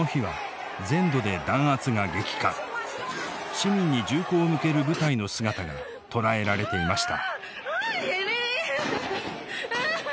市民に銃口を向ける部隊の姿が捉えられていました。